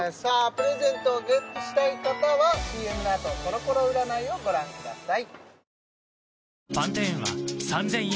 プレゼントをゲットしたい方はＣＭのあとコロコロ占いをご覧ください